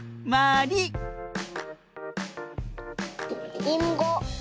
りんご。